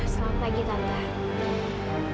selamat pagi tante